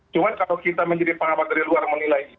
cuma kalau kita menjadi pengabat dari luar menilai